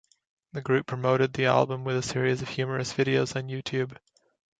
The group promoted the album with a series of humorous videos on YouTube.